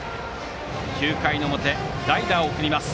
９回の表、代打を送ります。